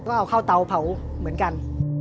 ก็เอาเข้าเตาเผาเหมือนกัน